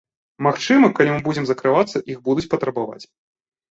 Магчыма, калі мы будзем закрывацца, іх будуць патрабаваць.